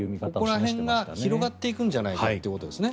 ここら辺が広がっていくんじゃないかということですね。